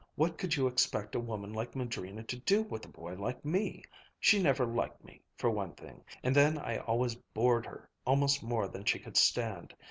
what could you expect a woman like Madrina to do with a boy like me! She never liked me, for one thing; and then I always bored her almost more than she could stand.